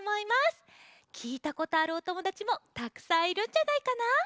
きいたことあるおともだちもたくさんいるんじゃないかな？